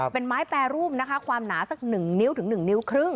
เป็นไม้แปรรูปนะคะความหนาสัก๑๑๕นิ้ว